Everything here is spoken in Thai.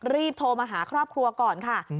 รีบโทรมาหาครอบครัวก่อนค่ะ